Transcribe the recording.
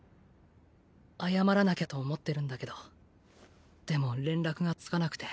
謝らなきゃと思ってるんだけどでも連絡がつかなくて。